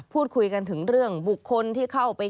พูดคุยกันถึงเรื่องบุคคลที่เข้าไป